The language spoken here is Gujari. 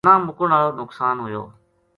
نہ مُکن ہالو نقصان ہویو